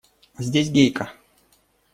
Здесь Гейка!